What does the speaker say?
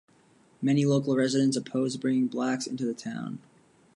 Many local residents opposed bringing blacks into the town.